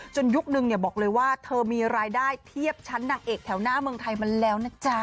ยุคนึงบอกเลยว่าเธอมีรายได้เทียบชั้นนางเอกแถวหน้าเมืองไทยมาแล้วนะจ๊ะ